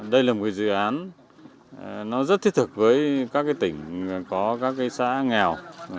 đây là một dự án nó rất thiết thực với các tỉnh có các xã nghèo